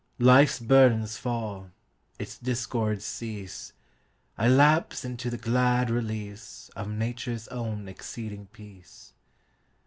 Life's burdens fall, its discords cease,I lapse into the glad releaseOf Nature's own exceeding peace.